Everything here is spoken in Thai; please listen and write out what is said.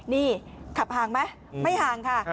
นี่ขับห่างไหมไม่ห่างค่ะ